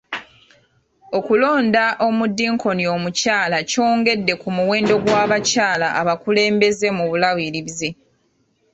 Okulonda omudinkoni omukyala kyongedde ku muwendo gw'abakyala abakulembeze mu bulabirizi.